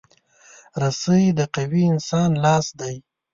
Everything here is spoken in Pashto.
رسۍ د قوي انسان لاس دی.